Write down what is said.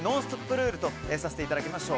ルールとさせていただきます。